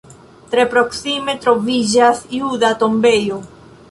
Tre proksime troviĝas juda tombejo.